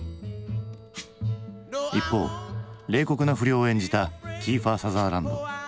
一方冷酷な不良を演じたキーファー・サザーランド。